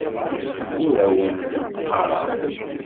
Ur awent-d-ɣɣareɣ.